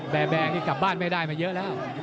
แบร์แบร์อันนี้กลับบ้านไม่ได้มาเยอะแล้ว